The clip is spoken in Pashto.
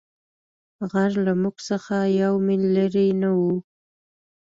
غر له موږ څخه یو مېل لیرې نه وو.